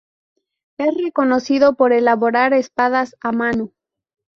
Es reconocido por elaborar espadas a mano.